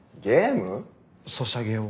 ソシャゲを。